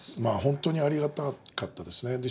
まあ本当にありがたかったですね。